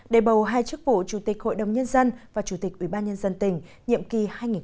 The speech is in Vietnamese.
để bầu hai chức vụ chủ tịch hội đồng nhân dân và chủ tịch ủy ban nhân dân tỉnh nhiệm kỳ hai nghìn một mươi sáu hai nghìn hai mươi một